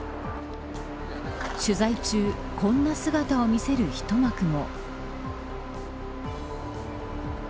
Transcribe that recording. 取材中こんな姿を見せる一幕も。